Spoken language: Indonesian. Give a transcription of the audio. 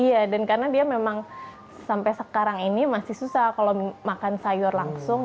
iya dan karena dia memang sampai sekarang ini masih susah kalau makan sayur langsung